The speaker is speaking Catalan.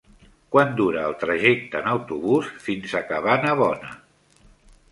Quant dura el trajecte en autobús fins a Cabanabona?